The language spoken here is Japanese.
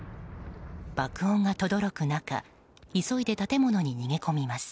爆音がとどろく中急いで建物に逃げ込みます。